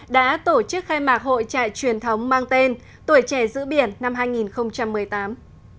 đã tổ chức khai mạc hội trại truyền thống mang tên tuổi trẻ giữ biển năm hai nghìn một mươi tám